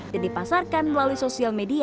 dan dipasarkan melalui stres